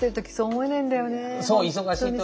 そう忙しい時はね。